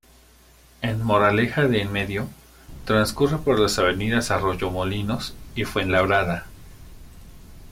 En Moraleja de Enmedio, transcurre por las avenidas Arroyomolinos y Fuenlabrada.